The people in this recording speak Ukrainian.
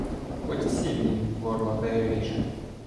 Хоть всім їм горла переріж.